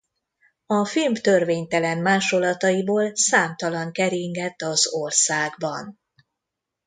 A film törvénytelen másolataiból számtalan keringett az országban.